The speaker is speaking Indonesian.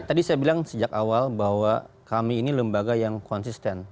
tadi saya bilang sejak awal bahwa kami ini lembaga yang konsisten